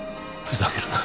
ふざけるな！